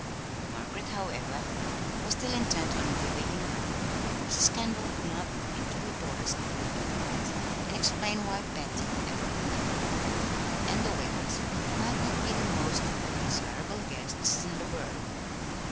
Margaret, however, was still intent on "divvying up," and Mrs. Kendall could not look into her daughter's clear blue eyes, and explain why Patty, Arabella, Clarabella, and the Whalens might not be the most desirable guests in the world.